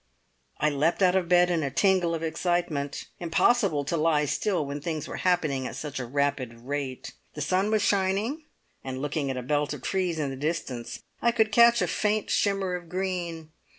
I leapt out of bed in a tingle of excitement. Impossible to lie still when things were happening at such a rapid rate. The sun was shining, and, looking at a belt of trees in the distance, I could catch a faint shimmer of green.